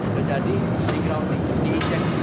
udah jadi di grounding di injection